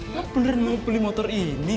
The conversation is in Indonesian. lu beneran mau beli motor ini